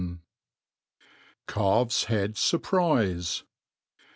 • Ca/f's Head Surprize.